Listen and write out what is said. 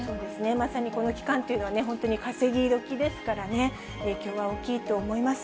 まさにこの期間というのは、本当に稼ぎ時ですからね、影響は大きいと思います。